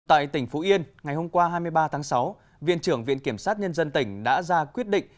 tại tỉnh phú yên ngày hôm qua hai mươi ba tháng sáu viện trưởng viện kiểm sát nhân dân tỉnh đã ra quyết định